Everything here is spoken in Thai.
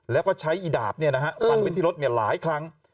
และใช้ดาบปั่นไปที่ลดหลายครั้ง